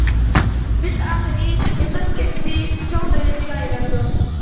بىز ئاخىرى ياساش كەسپى چوڭ دۆلىتىگە ئايلاندۇق.